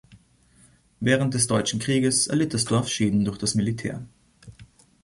Während des Deutschen Krieges erlitt das Dorf Schäden durch das Militär.